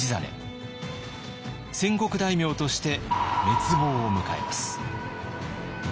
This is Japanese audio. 戦国大名として滅亡を迎えます。